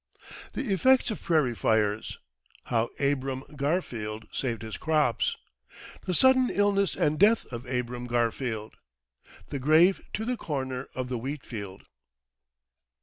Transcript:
The Effects of Prairie Fires How Abram Garfield saved his Crops The sudden Illness and Death of Abram Garfield The Grave to the corner of the Wheatfield.